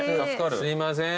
すいません。